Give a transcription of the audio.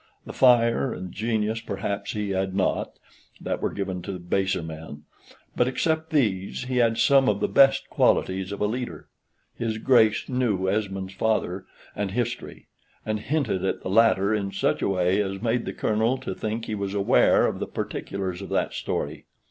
The fire and genius, perhaps, he had not (that were given to baser men), but except these he had some of the best qualities of a leader. His Grace knew Esmond's father and history; and hinted at the latter in such a way as made the Colonel to think he was aware of the particulars of that story.